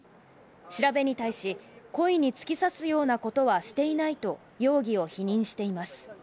調べに対し、故意に突き刺すようなことはしていないと、容疑を否認しています。